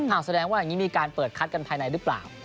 แสดงว่าอย่างนี้มีการเปิดคัดกันภายในหรือเปล่า